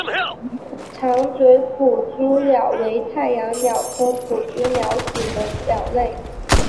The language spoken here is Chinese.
长嘴捕蛛鸟为太阳鸟科捕蛛鸟属的鸟类。